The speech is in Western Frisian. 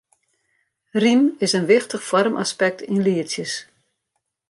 Rym is in wichtich foarmaspekt yn lietsjes.